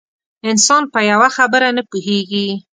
انسان په یوه خبره نه پوهېږي.